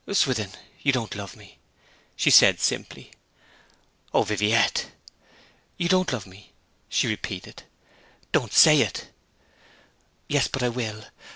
'Swithin, you don't love me,' she said simply. 'O Viviette!' 'You don't love me,' she repeated. 'Don't say it!' 'Yes, but I will!